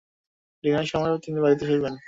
ডিনারের সময় তিনি বাড়িতে ফিরবেন।